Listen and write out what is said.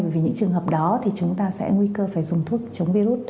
vì những trường hợp đó thì chúng ta sẽ nguy cơ phải dùng thuốc chống virus